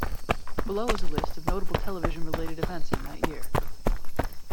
Below is a list of notable television-related events in that year.